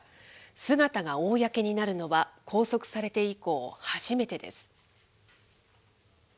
姿が公になるのは、拘束されて以降初めてです。